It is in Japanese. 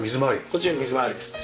こっちは水回りですね。